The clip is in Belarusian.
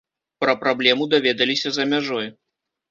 Пра праблему даведаліся за мяжой.